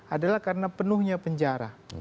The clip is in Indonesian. adalah karena penuhnya penjara